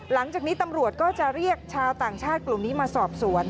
หลังจากนี้ตำรวจก็จะเรียกชาวต่างชาติกลุ่มนี้มาสอบสวน